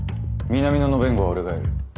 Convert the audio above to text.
南野の弁護は俺がやる。